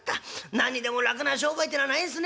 何にでも楽な商売ってのはないんすね。